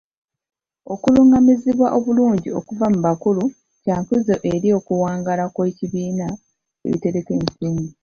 Okulungamizibwa obulungi okuva mu bakulu kya nkizo eri okuwangaala kw'ebibiina ebitereka ensimbi.